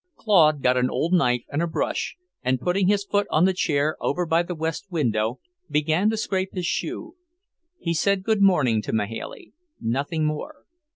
Claude got an old knife and a brush, and putting his foot on a chair over by the west window, began to scrape his shoe. He had said good morning to Mahailey, nothing more.